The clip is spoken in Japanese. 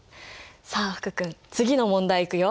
さあ福君次の問題いくよ。